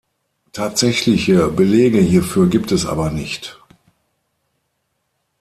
Tatsächliche Belege hierfür gibt es aber nicht.